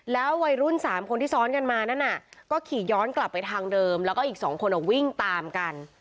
แล้ววัยรุ่น๓คนที่ซ้อนกันมานั่นน่ะก็ขี่ย้อนกลับไปทางเดิมแล้วก็อีก๒คนวิ่งตามกัน